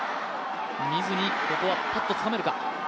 見ずにここはぱっとつかめるか。